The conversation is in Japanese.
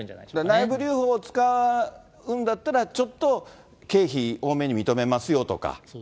内部留保を使うんだったらちょっと経費多めに認めますよとか。